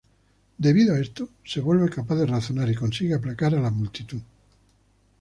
Debido a esto, se vuelve capaz de razonar y consigue aplacar a la multitud.